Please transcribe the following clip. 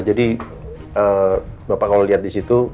jadi bapak kalau lihat di situ